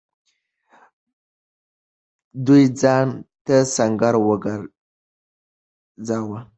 دوی ځان ته سنګر وگرځاوه.